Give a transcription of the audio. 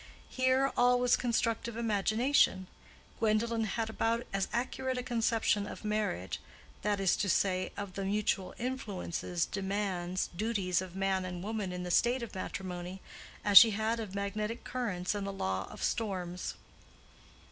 Here all was constructive imagination. Gwendolen had about as accurate a conception of marriage—that is to say, of the mutual influences, demands, duties of man and woman in the state of matrimony—as she had of magnetic currents and the law of storms.